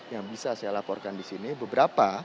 yang bisa saya laporkan di sini beberapa